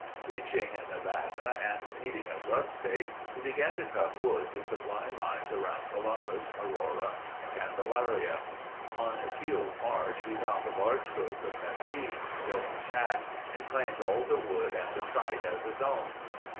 Reaching Nevada and needing a grubstake, he began to cut wood to supply mines around Columbus, Aurora, and Candelaria. On Teel's Marsh he found a large growth of mesquite, built a shack and claimed all the wood and the site as his own.